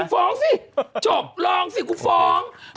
ฟ้องสิจบลองสิกูฟ้อง